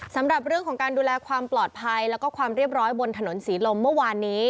สำหรับเรื่องของการดูแลความปลอดภัยแล้วก็ความเรียบร้อยบนถนนศรีลมเมื่อวานนี้